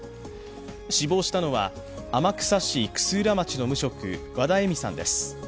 死亡したのは天草市の無職和田恵海さんです。